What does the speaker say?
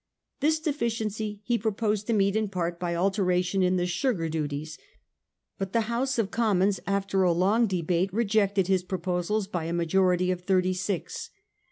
This deficiency he proposed to meet in part by alteration in the sugar duties; but the House of Commons, after a long debate, rejected his proposals by a majority of thirty six.